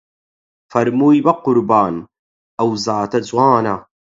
فەرمووی بە قوربان ئەو زاتە جوانە